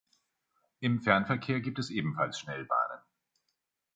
Im Fernverkehr gibt es ebenfalls Schnellbahnen.